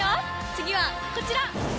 次はこちら。